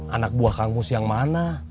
anak buah kamus yang mana